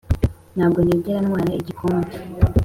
ntabwo nigera ntwara igikombe.